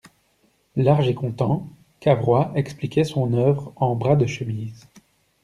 Large et content, Cavrois expliquait son œuvre en bras de chemise.